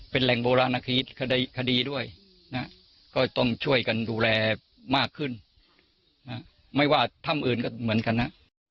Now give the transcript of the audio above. เป็นแหล่งโบราณคดีด้วยนะก็ต้องช่วยกันดูแลมากขึ้นไม่ว่าถ้ำอื่นก็เหมือนกันนะ